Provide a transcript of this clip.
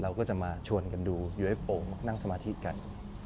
เราก็จะมาชวนกันดูอยู่ไอ้โป่งนั่งสมาธิกัน